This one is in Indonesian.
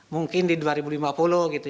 mungkin di dua ribu lima puluh gitu